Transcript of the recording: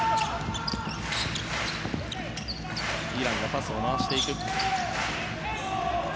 イランがパスを回していく。